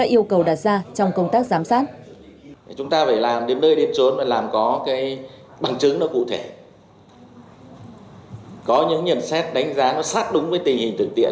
yêu cầu đặt ra trong công tác giám sát